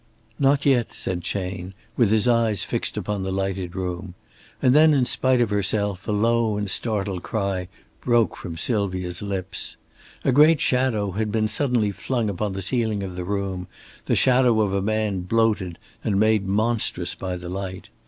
"Not yet!" said Chayne, with his eyes fixed upon the lighted room; and then, in spite of herself, a low and startled cry broke from Sylvia's lips. A great shadow had been suddenly flung upon the ceiling of the room, the shadow of a man, bloated and made monstrous by the light.